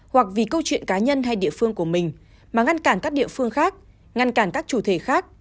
hoặc vì câu chuyện cá nhân hay địa phương của mình mà ngăn cản các địa phương khác ngăn cản các chủ thể khác